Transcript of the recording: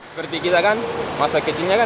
seperti kita kan masa kecilnya kan